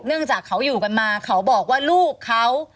เนื่องจากเขาอยู่กันมาเขาบอกว่าลูกเขา